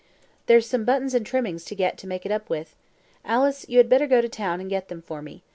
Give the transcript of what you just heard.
"There's some buttons and trimmings to get to make it up with. Alice, you had better go to town and get them for me.